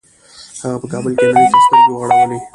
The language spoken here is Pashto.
هغه په کابل کې نړۍ ته سترګې وغړولې